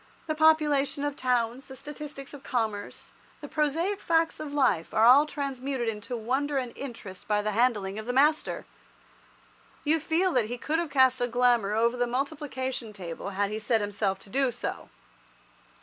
The population of towns, the statistics of commerce, the prosaic facts of life are all transmuted into wonder and interest by the handling of the master. You feel that he could have cast a glamour over the multiplication table had he set himself to do so.